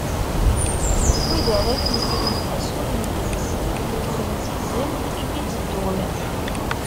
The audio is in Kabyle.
Wid ara imetlen asunen-nsen deg temsizzelt i d-itteddun.